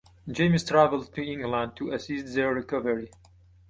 James travelled to England to assist their recovery.